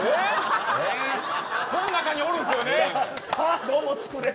こん中におるんですよね。